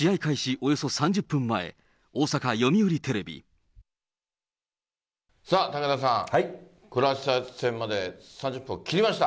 およそ３０分前、さあ、武田さん、クロアチア戦まで３０分を切りました。